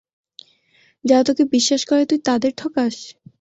যারা তোকে বিশ্বাস করে তুই তাদের ঠকাস?